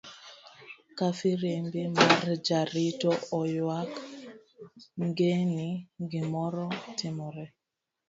Kafirimbi mar jarito oywak ngeni gimoro timore.